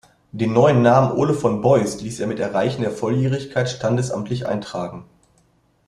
Den neuen Namen Ole von Beust ließ er mit Erreichen der Volljährigkeit standesamtlich eintragen.